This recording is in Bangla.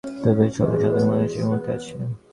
তবে এ শহরে সাধারণ মানুষ এই মুহুর্তে আছে।